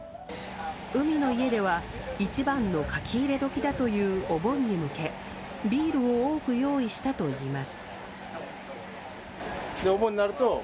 海の家では一番の書き入れ時だというお盆に向け、ビールを多く用意したといいます。